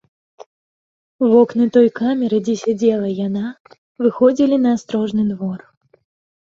Вокны той камеры, дзе сядзела яна, выходзілі на астрожны двор.